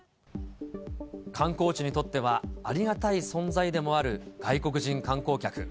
観光地にとってはありがたい存在でもある外国人観光客。